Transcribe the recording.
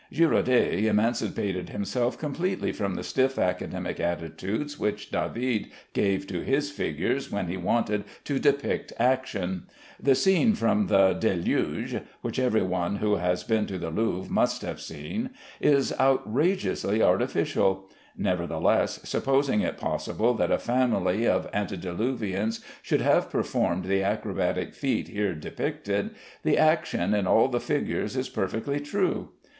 Girodet emancipated himself completely from the stiff academic attitudes which David gave to his figures when he wanted to depict action. The scene from the "Deluge" (which every one who has been to the Louvre must have seen) is outrageously artificial; nevertheless, supposing it possible that a family of antediluvians should have performed the acrobatic feat here depicted, the action in all the figures is perfectly true.